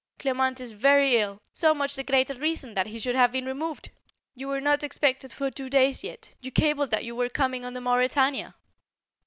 "Clement is very ill " "So much the greater reason that he should have been removed " "You were not expected for two days yet. You cabled that you were coming on the Mauretania."